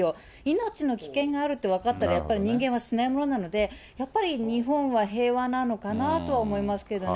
命の危険があるって分かったらやっぱり、人間はしないものなので、やっぱり、日本は平和なのかなとは思いますけどね。